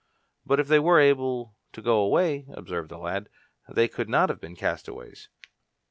"But if they were able to go away," observed the lad, "they could not have been castaways."